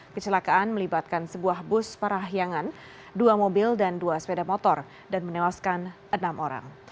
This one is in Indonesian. kecelakaan melibatkan sebuah bus parahyangan dua mobil dan dua sepeda motor dan menewaskan enam orang